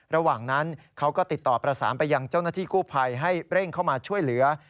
ระหว่างนั้นเขาก็ติดต่อประสานไปยังเจ้าหน้าที่กู้ภัยให้เร่งเข้ามาช่วยเหลือ